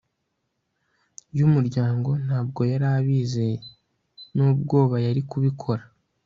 y'umuryango. ntabwo yari abizeye, n'ubwoba yari kubikora